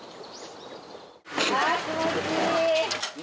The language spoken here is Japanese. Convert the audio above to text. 気持ちいい。